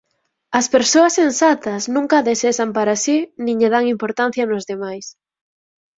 As persoas sensatas nunca a desexan para si nin lle dan importancia nos demais.